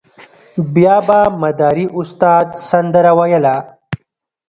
بیا به مداري استاد سندره ویله.